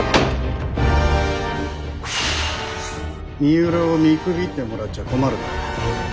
三浦を見くびってもらっちゃ困るな。